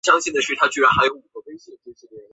坐在休息室里面休息